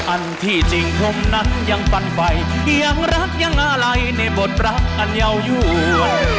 อันที่จริงผมนั้นยังฟันไฟยังรักยังอะไรในบทรักอันเยาวยวน